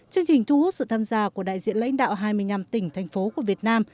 chương trình thu hút sự tham gia của đại diện lãnh đạo hai mươi năm tỉnh thành phố của việt nam